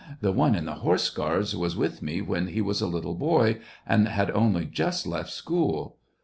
The one in the horse guards was with me when he was a little boy, and had only just left school.